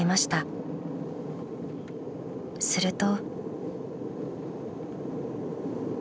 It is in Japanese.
［すると］